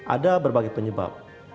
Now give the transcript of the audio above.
ada berbagai penyebab